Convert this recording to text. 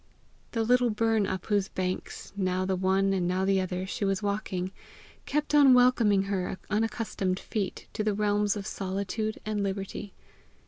The little burn up whose banks, now the one and now the other, she was walking, kept on welcoming her unaccustomed feet to the realms of solitude and liberty.